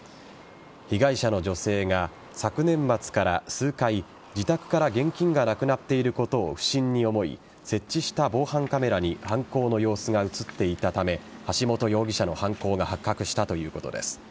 被害者の女性が昨年末から数回自宅から現金がなくなっていることを不審に思い設置した防犯カメラに犯行の様子が映っていたため橋本容疑者の犯行が発覚したということです。